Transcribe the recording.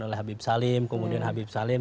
oleh habib salim kemudian habib salim